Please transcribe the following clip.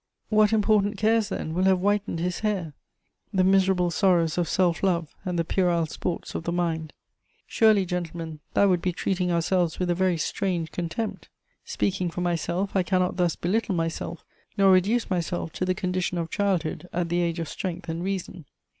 What important cares, then, will have whitened his hair? The miserable sorrows of self love and the puerile sports of the mind. "Surely, gentlemen, that would be treating ourselves with a very strange contempt! Speaking for myself, I cannot thus belittle myself, nor reduce myself to the condition of childhood at the age of strength and reason.